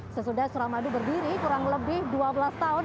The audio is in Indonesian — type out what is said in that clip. sesudah suramadu berdiri kurang lebih dua belas tahun